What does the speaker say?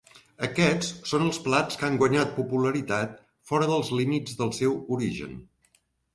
Aquests són els plats que han guanyat popularitat fora dels límits del seu origen.